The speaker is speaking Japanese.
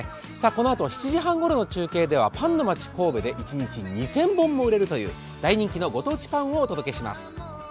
このあと７時半ごろの中継ではパンの町、神戸で一日２０００本も売れるという、大人気の御当地パンをお届けします。